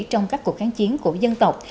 trong các cuộc kháng chiến của dân tộc